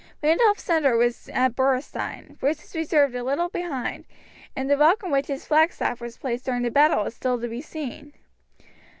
Randolph's centre was at Borestine, Bruce's reserve a little behind, and the rock in which his flagstaff was placed during the battle is still to be seen.